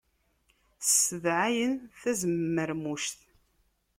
Ssedɛɛayen tazemmermuct.